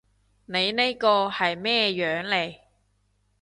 你呢個係咩樣嚟？